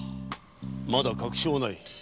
まだ確証はない。